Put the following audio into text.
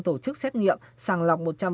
tổ chức xét nghiệm sàng lọc một trăm linh